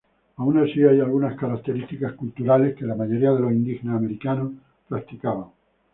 Aun así, hay algunas características culturales que la mayoría de los indígenas americanos practicaban.